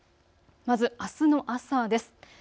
まずあすの朝です。